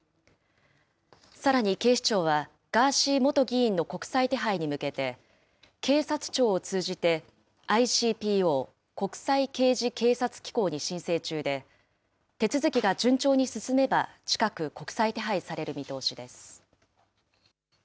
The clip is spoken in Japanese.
さらに警視庁は、ガーシー元議員の国際手配に向けて、警察庁を通じて、ＩＣＰＯ・国際刑事警察機構に申請中で、手続きが順調に進めば、近く国際手配される見通しです。